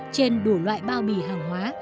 trên đủ loại bao bì hàng hóa